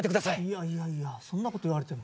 いやいやいやそんなこと言われても。